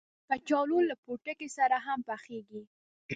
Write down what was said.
کچالو له پوټکي سره هم پخېږي